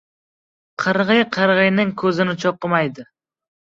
• Qirg‘iy qirg‘iyning ko‘zini cho‘qimaydi.